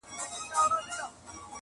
سترګي دي ډکي توپنچې دي-